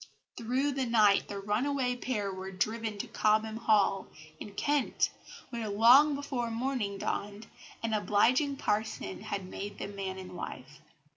Through the night the runaway pair were driven to Cobham Hall, in Kent, where, long before morning dawned, an obliging parson had made them man and wife.